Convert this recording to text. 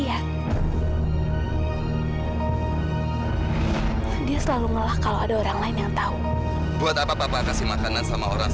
atau memang dari awal saya salah orang